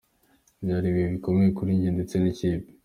Byari ibihe bikomeye kuri njye ndetse n’ikipe.